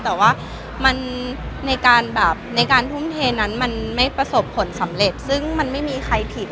แต่ว่ามันในการแบบในการทุ่มเทนั้นมันไม่ประสบผลสำเร็จซึ่งมันไม่มีใครผิด